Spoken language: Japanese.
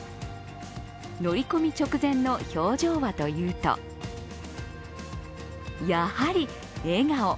乗り込み直前の表情はというと、やはり笑顔。